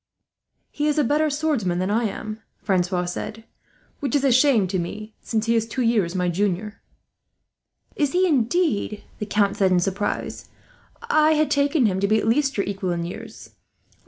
"He is a better swordsman than I am," Francois said; "which is a shame to me, since he is two years my junior." "Is he indeed!" the Count said in surprise. "I had taken him to be at least your equal in years.